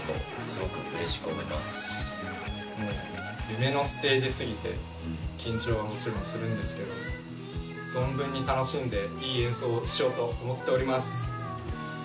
夢のステージ過ぎて緊張はもちろんするんですが存分に楽しんでいい演奏をしようと思っております。